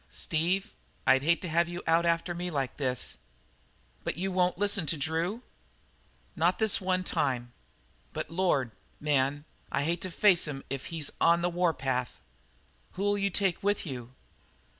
Steve, I'd hate to have you out for me like this." "But you won't listen to Drew?" "Not this one time. But, Lord, man, I hate to face him if he's on the warpath. Who'll you take with you?"